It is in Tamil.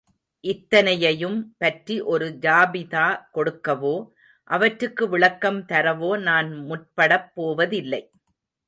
இத்தனையையும் பற்றி ஒரு ஜாபிதா கொடுக்கவோ, அவற்றுக்கு விளக்கம் தரவோ நான் முற்படப் போவதில்லை.